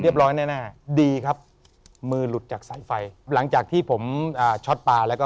ร้อยแน่แน่ดีครับมือหลุดจากสายไฟหลังจากที่ผมอ่าช็อตปลาแล้วก็